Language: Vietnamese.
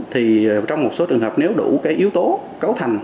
thì trong một số trường hợp nếu đủ cái yếu tố cấu thành